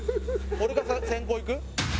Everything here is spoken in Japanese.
俺が先行いく？